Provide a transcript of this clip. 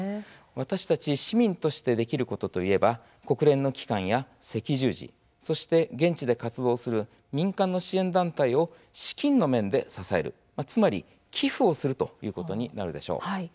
私たち市民としてできることといえば国連の機関や赤十字、そして現地で活動する民間の支援団体を資金の面で支えるつまり寄付をするということになるでしょう。